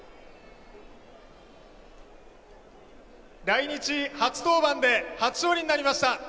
来日初登板で初勝利になりました。